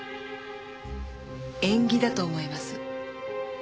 縁起だと思います。